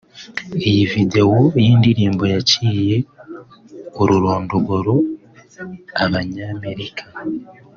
Iyi videwo y’indirimbo yaciye ururondogoro abanyamerika